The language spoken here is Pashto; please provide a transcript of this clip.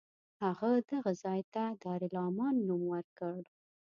هغه دغه ځای ته دارالامان نوم ورکړ.